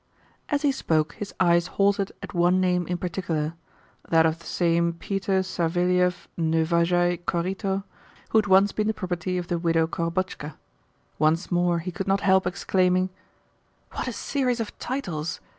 As he spoke his eyes halted at one name in particular that of the same Peter Saveliev Neuvazhai Korito who had once been the property of the window Korobotchka. Once more he could not help exclaiming: "What a series of titles!